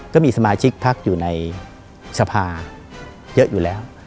ก็มีสมาชิกพักอยู่ในสภาเยอะอยู่แล้ว